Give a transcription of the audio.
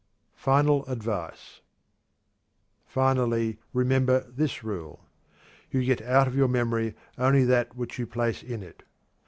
FINAL ADVICE. Finally, remember this rule: You get out of your memory only that which you place in it.